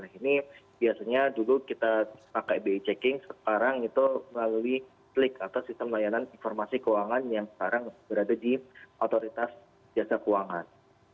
nah ini biasanya dulu kita pakai bi checking sekarang itu melalui klik atau sistem layanan informasi keuangan yang sekarang berada di otoritas jasa keuangan